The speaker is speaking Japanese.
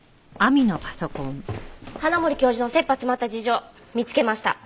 花森教授の切羽詰まった事情見つけました。